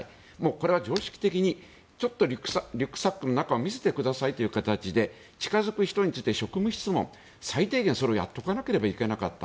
これは常識的にちょっとリュックサックの中を見せてくださいという形で近付く人について職務質問最低限それをやっておかないといけなかった。